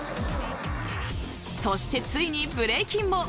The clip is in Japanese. そして、ついにブレイキンも。